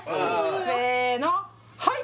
せのはい！